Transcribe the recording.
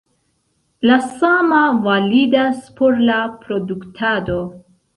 La sama validas por la produktado.